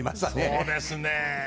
そうですね。